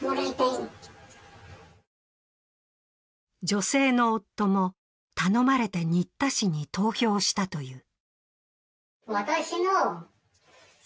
女性の夫も頼まれて新田氏に投票したという。